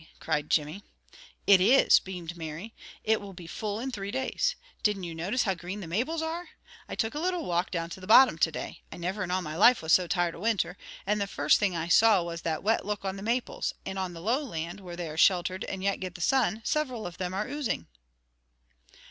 cried Jimmy. "It is!" beamed Mary. "It will be full in three days. Didn't you notice how green the maples are? I took a little walk down to the bottom to day. I niver in all my life was so tired of winter, and the first thing I saw was that wet look on the maples, and on the low land, where they are sheltered and yet get the sun, several of them are oozing!"